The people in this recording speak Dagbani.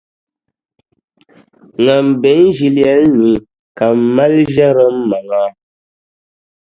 Ŋan be n ʒilɛli ni ka m mali n-ʒiɛri m maŋa.